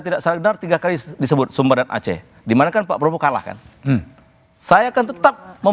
tidak saya gendar tiga kali sebut sumber dan aceh dimana kan pak propo kalahkan saya kan tetap